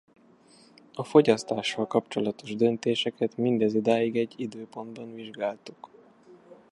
A fogyasztással kapcsolatos döntéseket mindezidáig egy időpontban vizsgáltuk.